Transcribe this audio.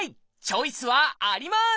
チョイスはあります！